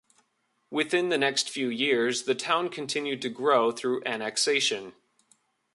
Within the next few years, the town continued to grow through annexation.